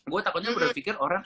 gue takutnya berpikir orang